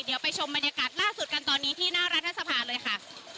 เดี๋ยวไปชมบรรยากาศล่าสุดกันตอนนี้ที่หน้ารัฐสภาเลยค่ะ